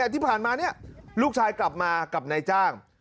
แต่ที่ผ่านมาเนี่ยลูกชายกลับมากับนายจ้าง